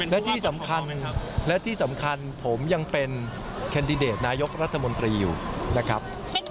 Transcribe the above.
เป็นหว่ำหว่ำของคดีคดีคืนจะเป็น